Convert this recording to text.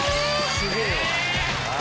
すげぇわ。